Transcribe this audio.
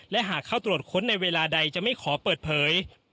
และหากเข้าตรวจค้นในเวลาใดจะไม่ขอเปิดเผย